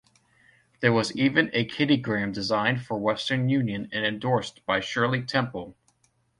There was even a Kiddiegram designed for Western Union and endorsed by Shirley Temple.